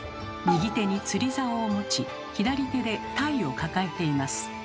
右手に釣りざおを持ち左手でタイを抱えています。